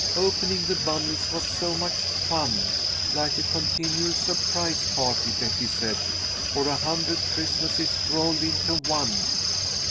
"Opening the bundles was so much fun, like a continual surprise party, Betty said, or a hundred Christmases rolled into one.